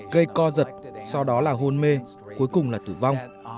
gây co giật sau đó là hôn mê cuối cùng là tử vong